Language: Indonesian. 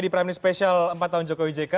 di prime news special empat tahun jokowi jk